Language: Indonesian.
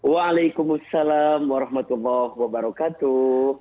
waalaikumsalam warahmatullahi wabarakatuh